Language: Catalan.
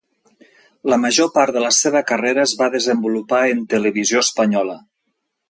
La major part de la seva carrera es va desenvolupar en Televisió Espanyola.